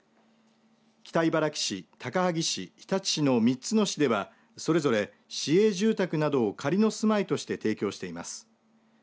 北茨城市、高萩市、日立市の３つの市ではそれぞれ市営住宅などを仮の住まいとして提供しています。